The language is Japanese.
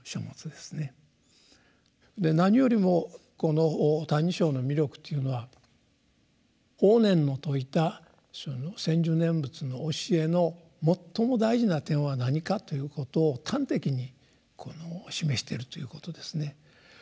何よりもこの「歎異抄」の魅力というのは法然の説いたその「専修念仏」の教えの最も大事な点は何かということを端的に示しているということですね。